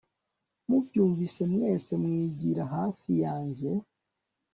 mubyumvise mwese mwigira hafi yanjye